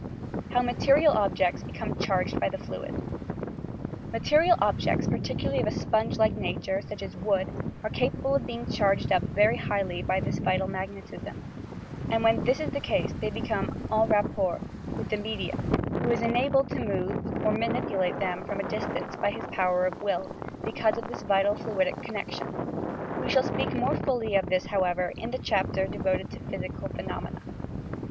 HOW MATERIAl, OBJECTS BECOME CHARGED BT THE PLUTO Material objects, particularly of a sponge like nature, such as wood, are capable of being charged up very highly by this vital magnetism, and when this is the case they come '' en rapport '' with the medium, who is enabled to move or manipulate them from a distance by his power of will, because of this vital, fluldic connection. We shall speak more fully of this, however, in the chapter de voted to physical phenomena.